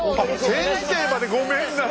先生までごめんなさい！